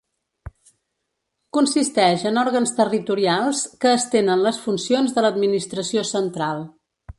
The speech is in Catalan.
Consisteix en òrgans territorials que estenen les funcions de l'administració central.